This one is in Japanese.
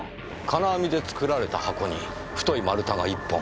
金網で作られた箱に太い丸太が１本。